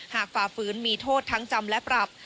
ฝ่าฝืนมีโทษทั้งจำและปรับ